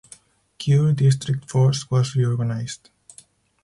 Kure District Force was reorganized.